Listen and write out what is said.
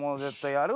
やる？